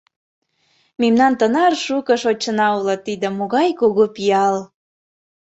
Мемнан тынар шуко шочшына уло — тиде могай кугу пиал!